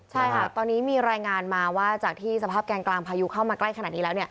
ใช่ค่ะตอนนี้มีรายงานมาว่าจากที่สภาพแกงกลางพายุเข้ามาใกล้ขนาดนี้แล้ว